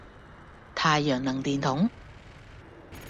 太陽能電筒